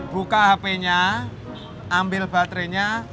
buka hpnya ambil baterainya